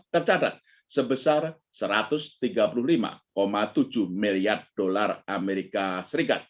tercatat sebesar satu ratus tiga puluh lima tujuh miliar dolar amerika serikat